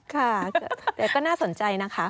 ค่ะแต่ก็น่าสนใจนะคะ